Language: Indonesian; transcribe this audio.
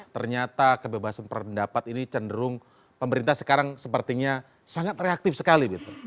ternyata kebebasan pendapat ini cenderung pemerintah sekarang sepertinya sangat reaktif sekali